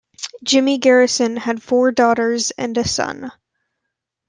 Jimmy Garrison had four daughters and a son.